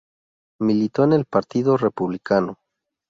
Militó en el Partido Republicano.